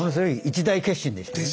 一大決心でした。